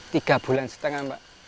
tiga bulan setengah pak